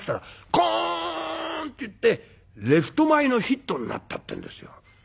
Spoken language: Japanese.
コーンっていってレフト前のヒットになったってんですよ。